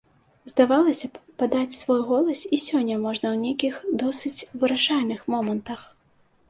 Здавалася б, падаць свой голас і сёння можна ў нейкіх досыць вырашальных момантах.